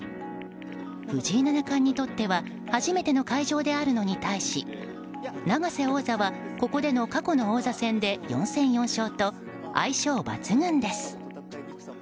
藤井七冠にとっては初めての会場であるのに対し永瀬王座はここでの過去の王座戦で４戦４勝と相性抜群です。